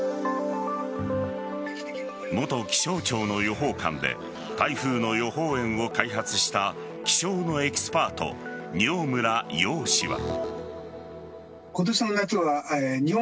元気象庁の予報官で台風の予報円を開発した気象のエキスパート・饒村曜氏は。